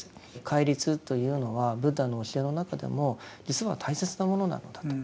戒律というのはブッダの教えの中でも実は大切なものなのだと。